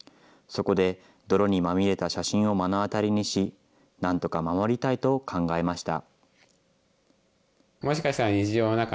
そこで泥にまみれた写真を目の当たりにし、なんとか守りたいと考えました。